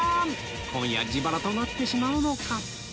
今夜自腹となってしまうのか？